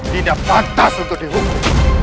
tidak pantas untuk dihukum